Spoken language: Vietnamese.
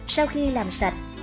sau khi làm sạch